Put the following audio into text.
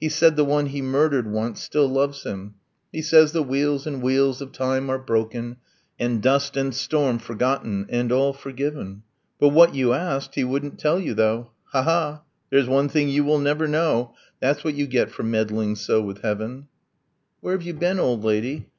He said the one he murdered once still loves him; He said the wheels in wheels of time are broken; And dust and storm forgotten; and all forgiven. ... But what you asked he wouldn't tell you, though, Ha ha! there's one thing you will never know! That's what you get for meddling so with heaven! Where have you been, old lady?